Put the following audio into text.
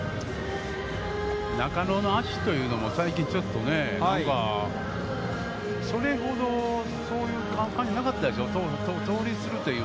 中野の足というのも最近ちょっとね、今、それほど、そういう感じじゃなかったでしょう。